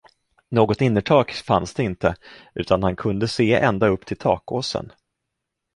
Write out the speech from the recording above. Något innertak fanns det inte, utan han kunde se ända upp till takåsen.